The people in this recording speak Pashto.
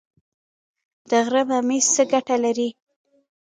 د غره ممیز څه ګټه لري؟